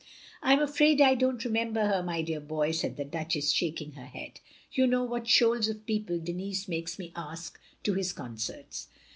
" I 'm afraid I don't remember her, my dear boy," said the Duchess, shaking her head, "you know what shoals of people Denis makes me ask to his concerts.